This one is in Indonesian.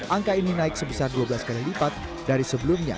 angka ini naik sebesar dua belas kali lipat dari sebelumnya